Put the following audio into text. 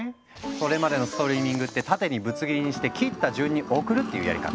それまでのストリーミングってタテにぶつ切りにして切った順に送るっていうやり方。